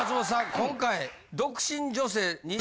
今回。